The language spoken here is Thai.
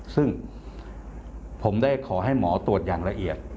ซึ่งผมได้ขอให้หมอตรวจอย่างละเอียด